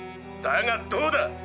だがどうだ。